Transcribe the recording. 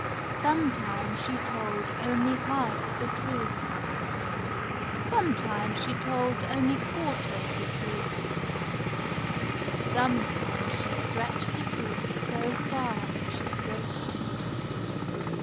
Sometimes she told only half the truth; sometimes she told only quarter the truth; sometimes she stretched the truth so far that she broke it.